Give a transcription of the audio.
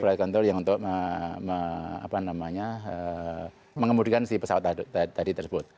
flight control yang untuk mengemudikan si pesawat tadi tersebut